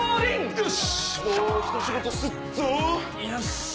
よし！